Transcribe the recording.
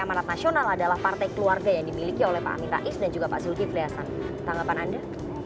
amanat nasional adalah partai keluarga yang dimiliki oleh pak amin rais dan juga pak zulkifli hasan tanggapan anda